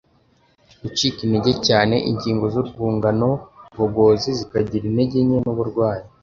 Gicika intege cyane, ingingo z’urwungano ngogozi zikagira intege nke n’uburwayi,